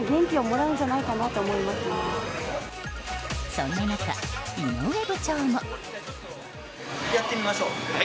そんな中、井上部長も。